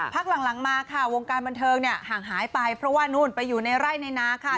พักหลังมาค่ะวงการบันเทิงเนี่ยห่างหายไปเพราะว่านู่นไปอยู่ในไร่ในนาค่ะ